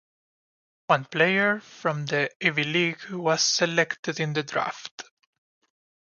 One player from the Ivy League was selected in the draft.